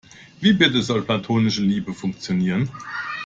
Wie bitte soll platonische Liebe funktionieren?